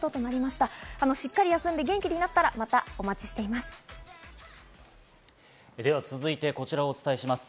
しっかり休んで、元気になったら、またお待ちしています。